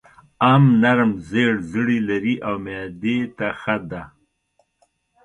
ام نرم زېړ زړي لري او معدې ته ښه ده.